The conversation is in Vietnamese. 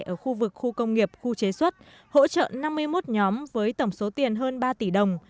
ở khu vực khu công nghiệp khu chế xuất hỗ trợ năm mươi một nhóm với tổng số tiền hơn ba tỷ đồng